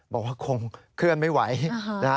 บอกว่าคงเคลื่อนไม่ไหวนะฮะ